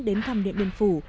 đến thăm điện biên phủ